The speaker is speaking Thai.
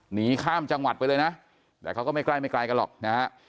หนีข้ามจังหวัดไปเลยนะแต่เขาก็ไม่ใกล้ไม่ไกลกันหรอกนะฮะ